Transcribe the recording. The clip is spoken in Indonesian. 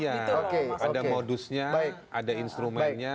iya ada modusnya ada instrumennya